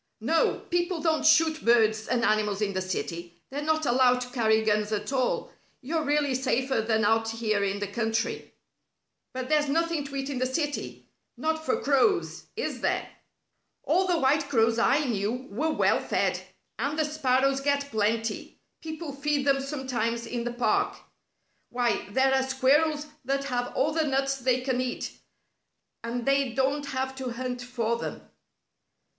"No. People don't shoot birds and animals in the city. They're not allowed to carry guns at all. You're really safer than out here in the country." "But there's nothing to eat in the city not for crows. Is there?" "All the white crows I knew were well fed. And the sparrows get plenty. People feed them sometimes in the park. Why, there are squirrels that have all the nuts they can eat, and they don't have to hunt for them."